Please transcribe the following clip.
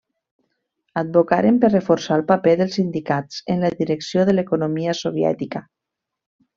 Advocaren per reforçar el paper dels sindicats en la direcció de l'economia soviètica.